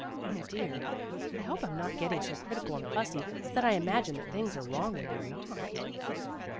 Oh, dear, I hope I'm not getting so crit ical and fussy that I imagine that things are wrong when they 're not.